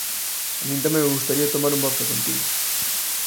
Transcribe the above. A min tamén me gustaría tomar un vodka contigo.